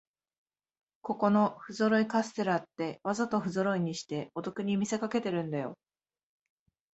ここのふぞろいカステラって、わざとふぞろいにしてお得に見せかけてるんだよ